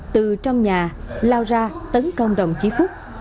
từ trong nhà lao ra tấn công đồng chí phúc